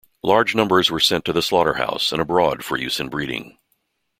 Large numbers were sent to the slaughterhouse and abroad for use in breeding.